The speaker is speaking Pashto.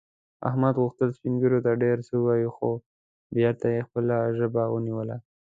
احمد غوښتل سپین ږیرو ته ډېر څه ووايي، خو بېرته یې خپله ژبه ونیوله.